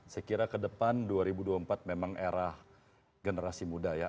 saya kira ke depan dua ribu dua puluh empat memang era generasi muda ya